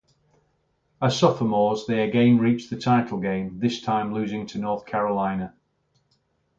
As sophomores, they again reached the title game, this time losing to North Carolina.